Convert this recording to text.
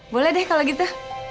boleh deh kalau gitu